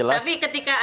tapi yang jelas